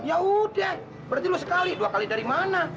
ya udah berarti lo sekali dua kali dari mana